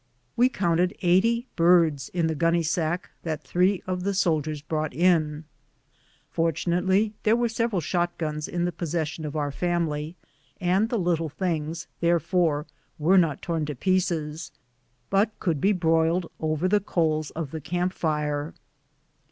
We counted eighty birds in the gunny sack that three of the soldiers brought in. Fortunately there were several shot guns in the possession of our family, and the little things, therefore, were not torn to pieces, but could be broiled over the coals of the camp fire.